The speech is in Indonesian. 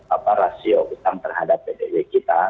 apa rasio utang terhadap pdb kita